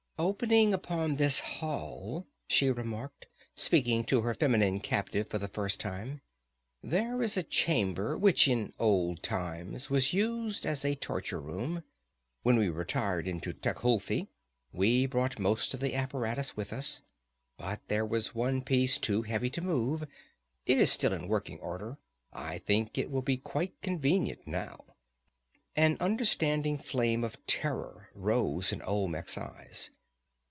"Opening upon this hall," she remarked, speaking to her feminine captive for the first time, "there is a chamber which in old times was used as a torture room. When we retired into Tecuhltli, we brought most of the apparatus with us, but there was one piece too heavy to move. It is still in working order. I think it will be quite convenient now." An understanding flame of terror rose in Olmec's eyes.